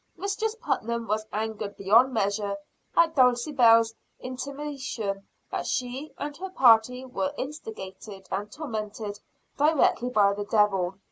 Mistress Putnam was angered beyond measure at Dulcibel's intimation that she and her party were instigated and tormented directly by the devil.